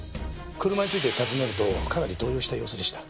車について尋ねるとかなり動揺した様子でした。